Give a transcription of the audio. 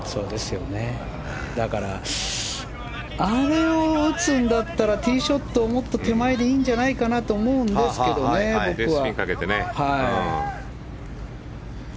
だからあれを打つんだったらティーショットをもっと手前でいいんじゃないかなと思うんですが、僕は。